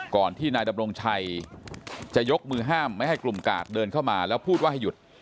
ที่นายดำรงชัยจะยกมือห้ามไม่ให้กลุ่มกาดเดินเข้ามาแล้วพูดว่าให้หยุด